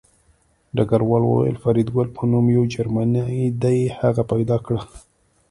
ډګروال وویل فریدګل په نوم یو جرمنی دی هغه پیدا کړه